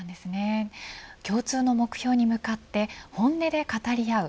共通の目標に向かって本音で語り合う。